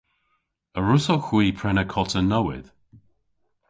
A wrussowgh hwi prena kota nowydh?